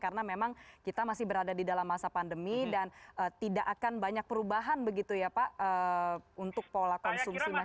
karena memang kita masih berada di dalam masa pandemi dan tidak akan banyak perubahan begitu ya pak untuk pola konsumsi masyarakat